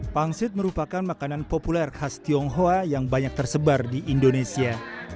pangsit merupakan makanan populer khas tionghoa yang banyak tersebar di indonesia